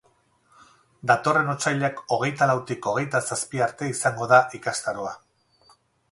Datorren otsailak hogeita lautik hogeita zazpi arte izango da ikastaroa.